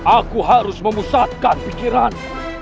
aku harus memusatkan pikiran